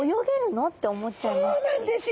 そうなんですよ。